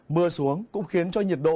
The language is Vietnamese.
mưa xuống cũng khiến cho nhiệt độ